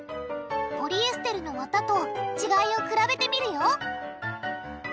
ポリエステルのわたと違いを比べてみるよ！